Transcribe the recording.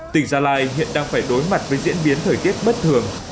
tỉnh gia lai hiện đang phải đối mặt với diễn biến thời tiết bất thường